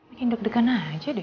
bikin deg degan aja deh